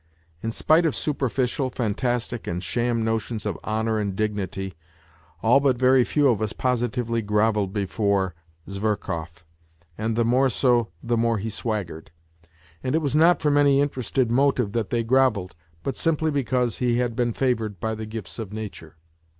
In spite of superficial, fantastic and sham notions of honour and dignity, all but very few of us positively grovelled before Zverkov, and the more so the more he swaggered. And it was not from any interested motive that they grovelled, but simply because he had been favoured by the gifts of nature.